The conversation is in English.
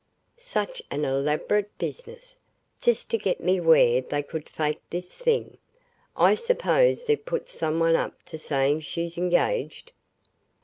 Such an elaborate business just to get me where they could fake this thing. I suppose they've put some one up to saying she's engaged?"